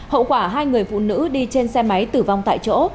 hậu quả hai người phụ nữ đi trên xe máy tử vong tại chỗ